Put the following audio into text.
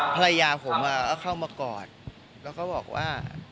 กราบอาราธรรมพลายาผมอะก็เข้ามากอดแล้วก็บอกว่า